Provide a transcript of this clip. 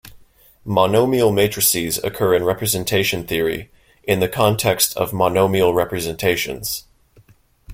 Monomial matrices occur in representation theory in the context of monomial representations.